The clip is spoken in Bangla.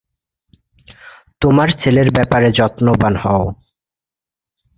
তোমার ছেলের ব্যপারে যত্নবান হও।